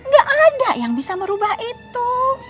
gak ada yang bisa merubah itu